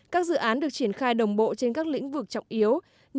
các dự án được triển khai đồng bộ trên các lĩnh vực trọng yếu